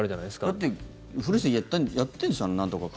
だって、古市さんやってるんでしょ？